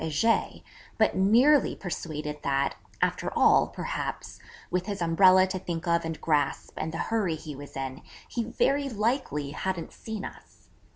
Heger, but nearly persuaded that, after all, perhaps, with his umbrella to think of and grasp, and the hurry he was in, he very likely hadn't seen us.